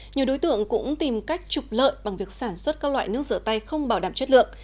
nhiều đối tượng cũng tìm cách trục lợi bằng việc sản xuất các loại nước rửa tay không bảo đảm chất lượng